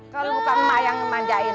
kalau bukan emak yang manjain